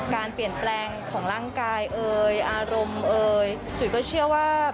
การเปลี่ยนแปลงของร่างกายเอ่ยอารมณ์เอ่ย